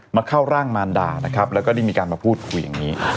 เข้าร่างมารดานะครับแล้วก็ได้มีการมาพูดคุยอย่างนี้